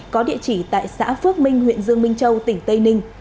có địa chỉ tại xã phước minh huyện dương minh châu tỉnh tây ninh